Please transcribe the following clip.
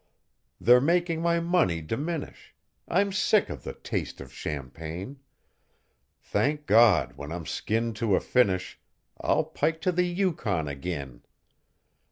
They're making my money diminish; I'm sick of the taste of champagne. Thank God! when I'm skinned to a finish I'll pike to the Yukon again.